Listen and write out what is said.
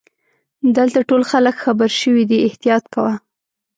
دلته ټول خلګ خبرشوي دي احتیاط کوه.